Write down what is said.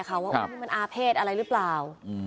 ว่านี่มันอาเภษอะไรหรือเปล่า